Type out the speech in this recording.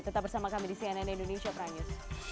tetap bersama kami di cnn indonesia prime news